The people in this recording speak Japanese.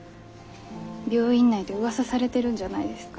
病院内でうわさされてるんじゃないですか？